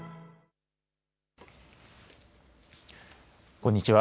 こんにちは。